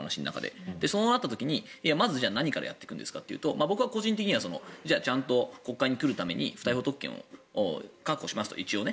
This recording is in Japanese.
そうなった時に何からやっていくんですかとなると僕は個人的にはちゃんと国会に来るために不逮捕特権を確保しますと。